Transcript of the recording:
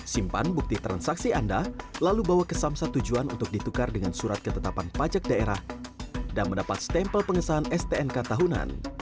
simpan bukti transaksi anda lalu bawa ke samsat tujuan untuk ditukar dengan surat ketetapan pajak daerah dan mendapat stempel pengesahan stnk tahunan